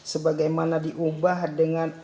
sebagai mana diubah dengan